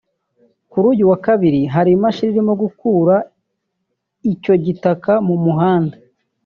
kuri uyu wa kabiri hari imashini irimo gukura icyo gitaka mu muhanda